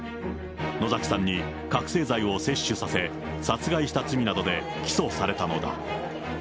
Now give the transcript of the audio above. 野崎さんに覚醒剤を摂取させ、殺害した罪などで、起訴されたのだ。